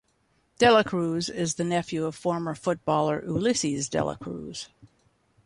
De La Cruz is the nephew of former footballer Ulises de la Cruz.